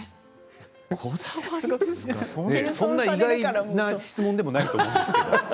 そんな意外な質問でもないと思いますよ。